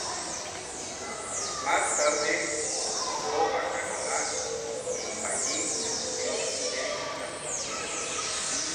Más tarde se mudó a Canadá y allí estudió cine y actuación.